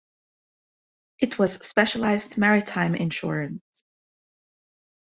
It was specialized in maritime insurance.